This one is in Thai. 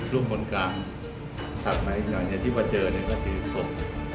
ลูกคนกลางสัตว์ไหมที่เขาเจอก็คือศพ